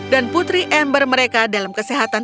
dan putri ember mereka dalam kesehatan